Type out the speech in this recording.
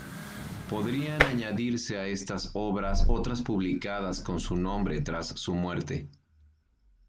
Podrían añadirse a estas obras otras publicadas con su nombre tras su muerte.